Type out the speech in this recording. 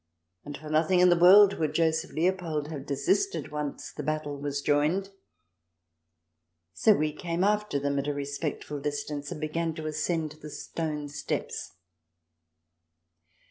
And for nothing in the world would Joseph Leopold have desisted once the battle was joined. So we came after them, at a respectful distance, and began to ascend the stone steps.